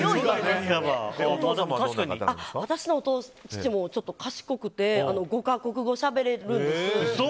私の父も賢くて、５か国語しゃべれるんですよ。